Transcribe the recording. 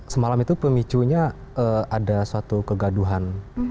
semalam itu pemicunya ada suatu kegaduhan